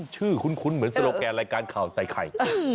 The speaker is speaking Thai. คุ้นเหมือนโซโลแกนรายการข่าวใส่ไข่